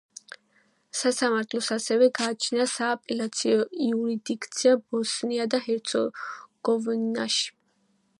სასამართლოს ასევე გააჩნია სააპელაციო იურისდიქცია ბოსნია და ჰერცეგოვინაში.